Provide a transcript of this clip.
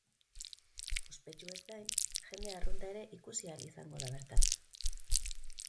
Ospetsuez gain, jende arrunta ere ikusi al izango da bertan.